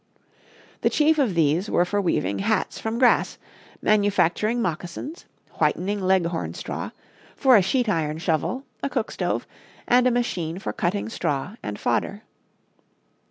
The chief of these were for weaving hats from grass, manufacturing moccasins, whitening leghorn straw, for a sheet iron shovel, a cook stove and a machine for cutting straw and fodder.